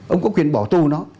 ông có quyền bỏ tù nó